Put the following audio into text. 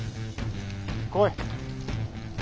来い。